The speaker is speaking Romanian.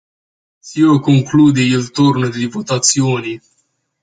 Ciò conclude il turno di votazioni.